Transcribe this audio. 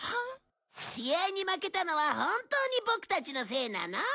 試合に負けたのは本当にボクたちのせいなの？